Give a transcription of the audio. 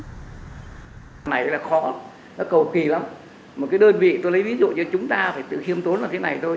nó cầu kỳ lắm một cái đơn vị tôi lấy ví dụ như chúng ta phải tự khiêm tốn là thế này thôi